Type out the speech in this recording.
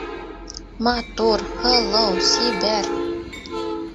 Матур, һылыу, сибәр